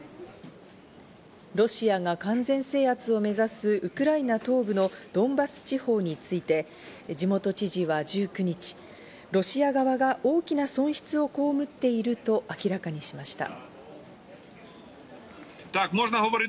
ロシアが完全制圧を目指すウクライナ東部のドンバス地方について、地元知事は１９日、ロシア側が大きな損失を被っていると明らかにしました。